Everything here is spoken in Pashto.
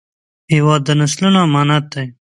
هېواد د نسلونو امانت دی